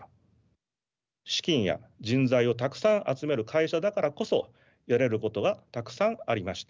資金や人材をたくさん集める会社だからこそやれることがたくさんありました。